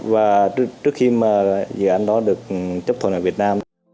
và trước khi mà dự án đó được chấp thuận ở việt nam